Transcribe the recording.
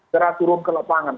cara turun ke lapangan